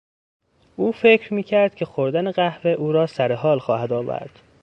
او فکر میکرد که خوردن قهوه او را سرحال خواهد آورد.